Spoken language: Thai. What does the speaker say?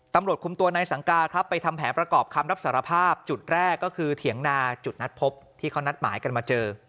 ตำรวจคุมตัวในสังกาครับไปทำแผนประกอบคำรับสารภาพจุดแรกก็คือเถียงนาจุดนัดพบที่เขานัดหมายกันมาเจอ